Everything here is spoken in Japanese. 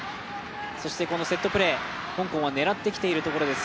そしてセットプレー、香港は狙ってきているところです。